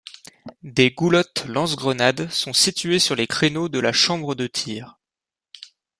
Des goulottes lance-grenades sont situées sur les créneaux de la chambre de tir.